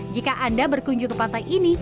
jika anda berkunjung ke pantai ini